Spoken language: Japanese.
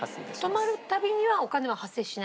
泊まる度にはお金は発生しない？